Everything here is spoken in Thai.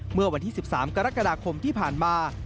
เมื่อวันที่๑๓กรกฎาคมที่ผ่านมา